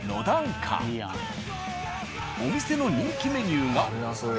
お店の人気メニューが。